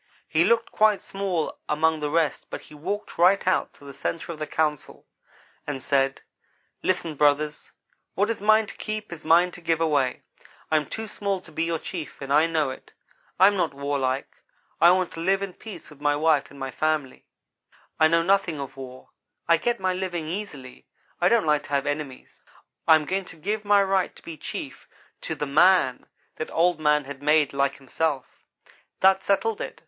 He looked quite small among the rest but he walked right out to the centre of the council and said: "'Listen, brothers what is mine to keep is mine to give away. I am too small to be your chief and I know it. I am not warlike. I want to live in peace with my wife and family. I know nothing of war. I get my living easily. I don't like to have enemies. I am going to give my right to be chief to the man that Old man has made like himself.' "That settled it.